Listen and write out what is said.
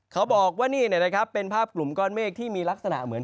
เขาบอกว่านี่นะครับเป็นภาพกลุ่มก้อนเมฆที่มีลักษณะเหมือน